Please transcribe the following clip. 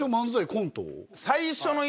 コント？